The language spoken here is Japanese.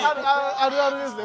あるあるですね。